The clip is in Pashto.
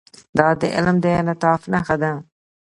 دا د علم د انعطاف نښه ده.